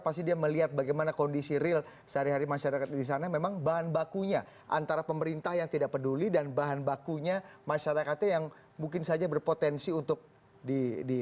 pasti dia melihat bagaimana kondisi real sehari hari masyarakat di sana memang bahan bakunya antara pemerintah yang tidak peduli dan bahan bakunya masyarakatnya yang mungkin saja berpotensi untuk di